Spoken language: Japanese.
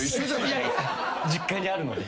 実家にあるので。